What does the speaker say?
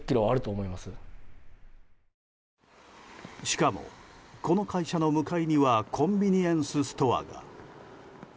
しかも、この会社の向かいにはコンビニエンスストアが。